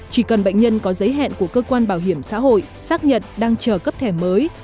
chỉ cần bệnh nhân có giấy hẹn của cơ quan bảo hiểm xã hội xác nhận đang chờ cấp thẻ mới